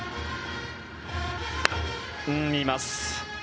見ます。